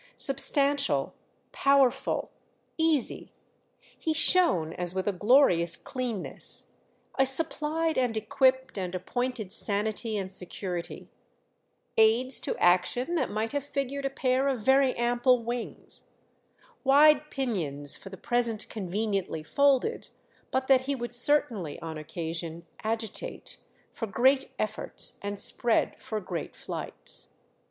Substantial, powerful, easy, he shone as with a glorious cleanness, a supplied and equipped and appointed sanity and security; aids to action that might have figured a pair of very ample wings—wide pinions for the present conveniently folded, but that he would certainly on occasion agitate for great efforts and spread for great flights.